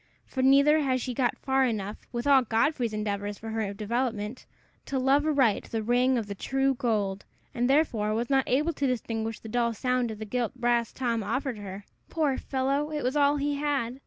For neither had she got far enough, with all Godfrey's endeavors for her development, to love aright the ring of the true gold, and therefore was not able to distinguish the dull sound of the gilt brass Tom offered her. Poor fellow! it was all he had.